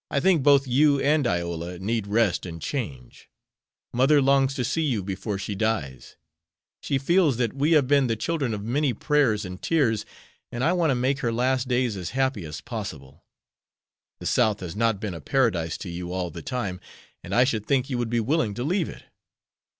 I think both you and Iola need rest and change. Mother longs to see you before she dies. She feels that we have been the children of many prayers and tears, and I want to make her last days as happy as possible. The South has not been a paradise to you all the time, and I should think you would be willing to leave it."